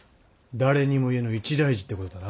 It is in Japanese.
誰にも言えぬ一大事っていうことだな。